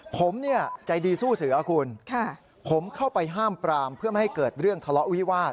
ผมเนี่ยใจดีสู้เสือคุณผมเข้าไปห้ามปรามเพื่อไม่ให้เกิดเรื่องทะเลาะวิวาส